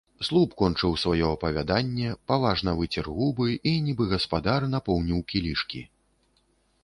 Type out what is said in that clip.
Слуп кончыў сваё апавяданне, паважна выцер губы і, нібы гаспадар, напоўніў кілішкі.